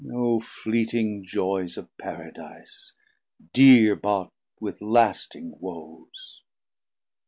O fleeting joyes Of Paradise, deare bought with lasting woes!